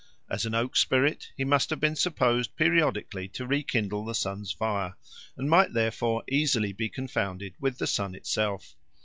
As an oak spirit he must have been supposed periodically to rekindle the sun's fire, and might therefore easily be confounded with the sun itself.